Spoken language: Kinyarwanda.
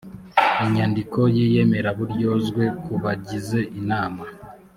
inyandiko y iyemeraburyozwe ku bagize inama